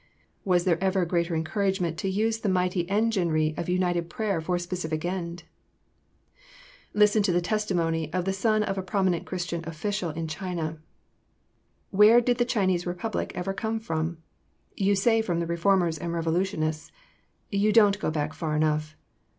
Was there ever greater encouragement to use the mighty enginery of united prayer for a specific end? [Sidenote: Sun Yat Sen.] Listen to the testimony of the son of a prominent Christian official in China: "Where did the Chinese Republic ever come from? You say from the reformers and revolutionists. You don't go back far enough.